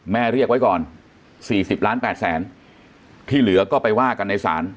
เรียกไว้ก่อน๔๐ล้าน๘แสนที่เหลือก็ไปว่ากันในศาล